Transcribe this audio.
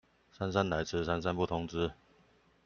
姍姍來遲，姍姍不通知